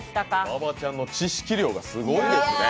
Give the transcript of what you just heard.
馬場ちゃんの知識量がすごいですね。